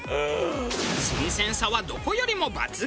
新鮮さはどこよりも抜群！